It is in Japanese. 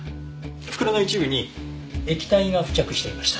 袋の一部に液体が付着していました。